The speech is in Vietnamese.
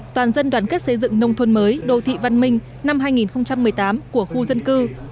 toàn dân đoàn kết xây dựng nông thôn mới đô thị văn minh năm hai nghìn một mươi tám của khu dân cư